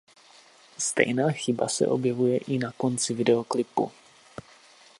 Stejná chyba se objevuje i na konci videoklipu.